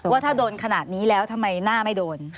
ว่าถ้าโดนขนาดนี้แล้วทำไมหน้าไม่โดน